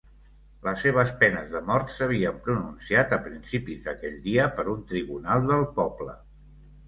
Les seves penes de mort s'havien pronunciat a principis d'aquell dia per un tribunal del poble.